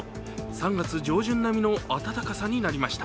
３月上旬並みの暖かさになりました